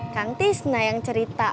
kang tisna yang cerita